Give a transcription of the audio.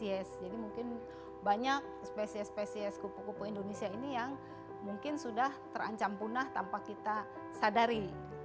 jadi mungkin banyak spesies spesies kupu kupu indonesia ini yang mungkin sudah terancam punah tanpa kita sadari